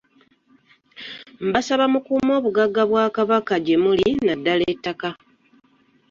Mbasaba mukuume obugagga bwa Kabaka gyemuli nnaddala ettaka